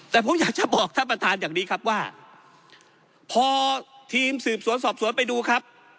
แต่ผมอยากจะบอกท่านประธานอย่างนี้ครับว่าพอทีมสืบสวนสอบสวนไปดูครับ